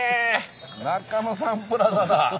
中野サンプラザだ！